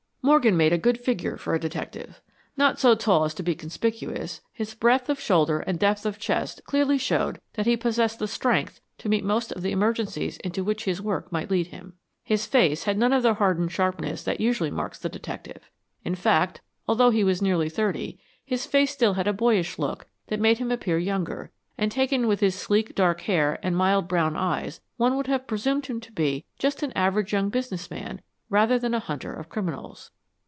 Morgan made a good figure for a detective. Not so tall as to be conspicuous, his breadth of shoulder and depth of chest clearly showed that he possessed the strength to meet most of the emergencies into which his work might lead him. His face had none of the hardened sharpness that usually marks the detective. In fact, although he was nearly thirty, his face still had a boyish look that made him appear younger, and taken with his sleek dark hair and mild brown eyes one would have presumed him to be just an average young business man rather than a hunter of criminals.